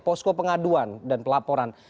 posko pengaduan dan pelaporan